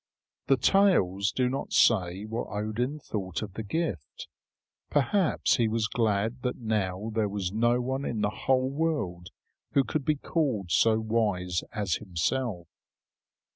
The tales do not say what Odin thought of the gift. Perhaps he was glad that now there was no one in the whole world who could be called so wise as himself.